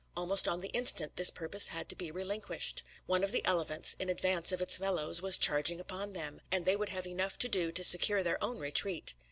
Almost on the instant, this purpose had to be relinquished. One of the elephants, in advance of its fellows, was charging upon them; and they would have enough to do to secure their own retreat.